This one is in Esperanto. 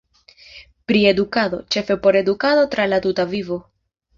Pri edukado: ĉefe por edukado tra la tuta vivo.